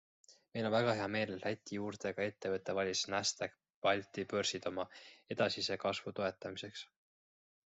Meil on väga hea meel, et Läti juurtega ettevõte valis Nasdaq Balti börsid oma edasise kasvu toetamiseks.